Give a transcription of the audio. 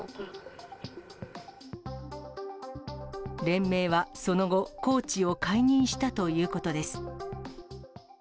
連盟はその後、コーチを解任したということです。